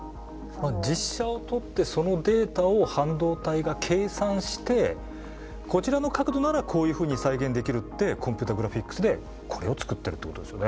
実写を撮ってそのデータを半導体が計算してこちらの角度ならこういうふうに再現できるってコンピューターグラフィックスでこれをつくってるってことですよね。